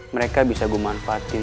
mereka bisa gue manfaatin